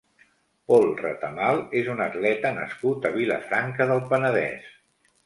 Pol Retamal és un atleta nascut a Vilafranca del Penedès.